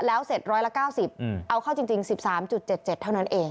แล้วเสร็จร้อยละ๙๐เอาเข้าจริง๑๓๗๗เท่านั้นเอง